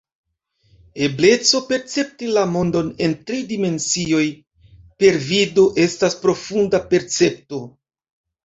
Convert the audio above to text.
Ebleco percepti la mondon en tri dimensioj per vido estas profunda percepto.